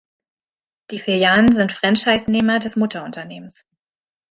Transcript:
Die Filialen sind Franchisenehmer des Mutterunternehmens.